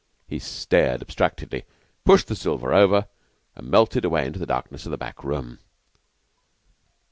He stared abstractedly, pushed the silver over, and melted away into the darkness of the back room.